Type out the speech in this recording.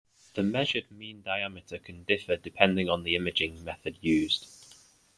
The measured mean diameter can differ depending on the imaging method used.